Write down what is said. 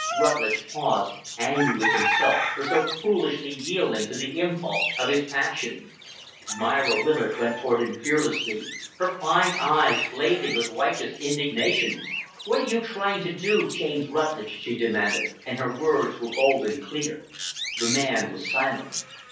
Rutlidge paused angry with himself for so foolishly yielding to the impulse of his passion. Myra Willard went toward him fearlessly her fine eyes blazing with righteous indignation. "What are you trying to do, James Rutlidge?" she demanded and her words were bold and clear. The man was silent.